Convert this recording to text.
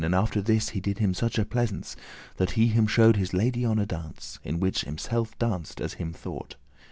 And after this he did him such pleasance, That he him shew'd his lady on a dance, In which himselfe danced, as him thought.